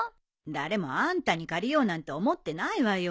誰もあんたに借りようなんて思ってないわよ。